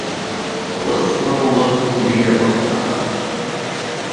Лысма булып тиргә батҡандар.